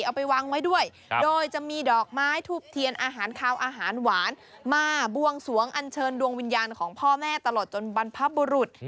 เอาไปวางไว้ด้วยโดยจะมีดอกไม้ทูบเทียนอาหารคาวอาหารหวานมาบวงสวงอันเชิญดวงวิญญาณของพ่อแม่ตลอดจนบรรพบุรุษ